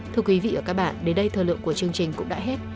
thưa quý vị và các bạn đến đây thời lượng của chương trình cũng đã hết